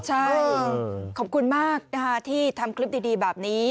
ใช่ขอบคุณมากนะคะที่ทำคลิปดีแบบนี้